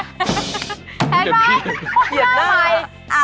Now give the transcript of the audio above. เห็นไหมเห็นไหมหน้าใหม่เห็นไหม